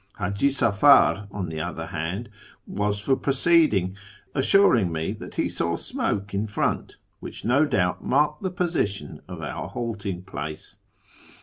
Haji Safar, on the other hand, was for proceeding, assuring me that he saw smoke in front, which no doubt marked the position of our halting place.